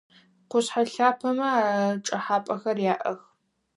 Къушъхьэ лъапэмэ чӏэхьапэхэр яӏэх.